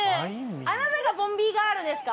あなたがボンビーガールですか？